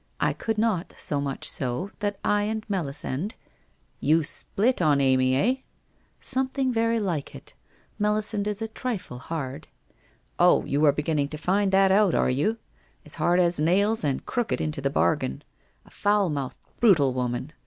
I could not, so much so, that I and Melisande '' You split on Amy, eh ?'' Something very like it. Melisande is a trifle hard.' ' Oh, you are beginning to find that out, are you? As hard as nails, and crooked into the bargain. A foul mouthed, brutal woman!